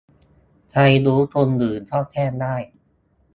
ใครรู้ทุนอื่นก็แจ้งได้